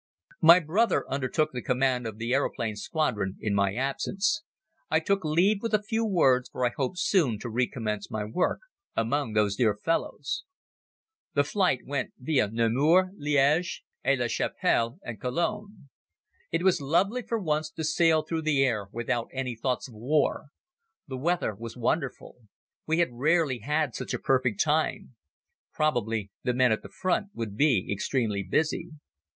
My brother undertook the command of the aeroplane squadron in my absence. I took leave with a few words for I hoped soon to recommence my work among those dear fellows. The flight went via Namur, Liège, Aix la Chapelle and Cologne. It was lovely for once to sail through the air without any thoughts of war. The weather was wonderful. We had rarely had such a perfect time. Probably the men at the front would be extremely busy.